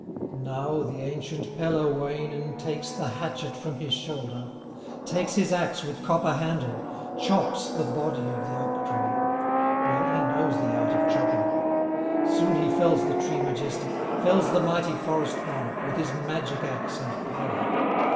Now the ancient Pellerwoinen Takes the hatchet from his shoulder, Takes his axe with copper handle, Chops the body of the oak tree; Well he knows the art of chopping. Soon he fells the tree majestic, Fells the mighty forest monarch, With his magic axe and power.